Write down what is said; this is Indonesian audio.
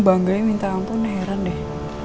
bangganya minta ampun heran deh